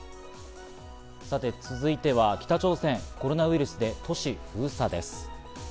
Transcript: さて続いては北朝鮮、コロナウイルスで都市封鎖です。